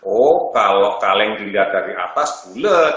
oh kalau kaleng dilihat dari atas bulet